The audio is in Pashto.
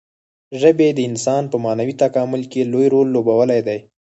ژبې د انسان په معنوي تکامل کې لوی رول لوبولی دی.